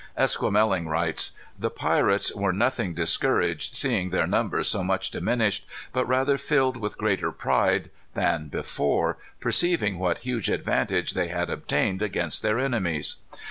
Esquemeling writes: "The pirates were nothing discouraged, seeing their numbers so much diminished, but rather filled with greater pride than before, perceiving what huge advantage they had obtained against their enemies.